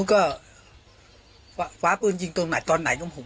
ไฟฟ้าปืนยิงตัวไหนตอนไหนก็ไม่รู้นะ